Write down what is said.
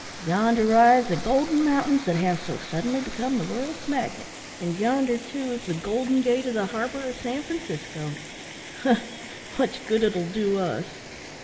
Yonder rise the golden mountains that have so suddenly become the world's magnet; and yonder, too, is the `Golden Gate' of the harbour of San Francisco. Humph! much good it'll do us."